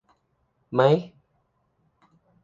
ไหม